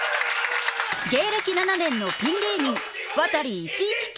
芸歴７年のピン芸人ワタリ１１９